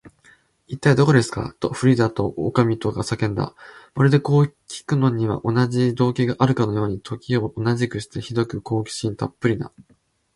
「いったい、どこですか？」と、フリーダとおかみとが叫んだ。まるで、こうきくのには同じ動機があるかのように、時を同じくして、ひどく好奇心たっぷりな